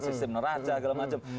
sistem neraca dan sebagainya